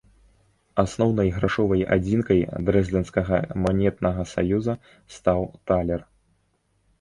Асноўнай грашовай адзінкай дрэздэнскага манетнага саюза стаў талер.